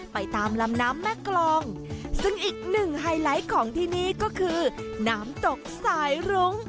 ไปตามลำน้ำแม่กรองซึ่งอีกหนึ่งไฮไลท์ของที่นี่ก็คือน้ำตกสายรุ้ง